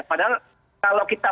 padahal kalau kita